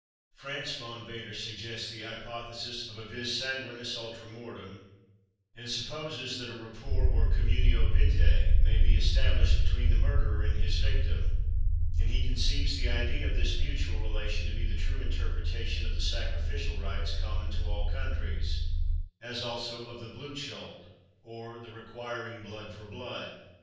Franz von Baader suggests the hypothesis of a vis sanguinis ultra mortem, and supposes that a rapport or communio vitæ may be established between the murderer and his victim; and he conceives the idea of this mutual relation to be the true interpretation of the sacrificial rites common to all countries, as also of the Blutschuld, or the requiring blood for blood.